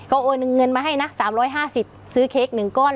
เขาโอนเงินมาให้นะสามร้อยห้าสิบซื้อเค้กหนึ่งก้อน